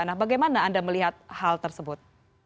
nah bagaimana anda melihat hal tersebut